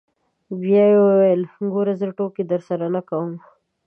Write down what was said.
بيا يې وويل ګوره زه ټوکې درسره نه کوم.